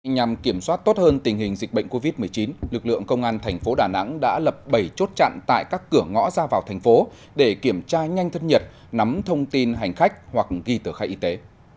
nhằm kiểm soát tốt hơn tình hình dịch bệnh covid một mươi chín lực lượng công an thành phố đà nẵng đã lập bảy chốt chặn tại các cửa ngõ ra vào thành phố để kiểm tra nhanh thân nhiệt nắm thông tin hành khách hoặc ghi tờ khai y tế